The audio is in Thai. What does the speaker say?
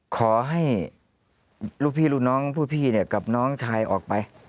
ขอให้ลูกพี่ลูกน้องผู้พี่เนี่ยกับน้องชายออกไป